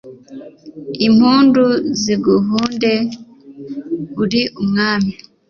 impundu ziguhundwe, uri umwami